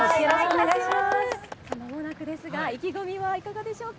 さあ、まもなくですが、意気込みはいかがでしょうか？